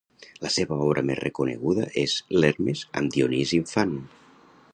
La seva obra més reconeguda és l'Hermes amb Dionís infant.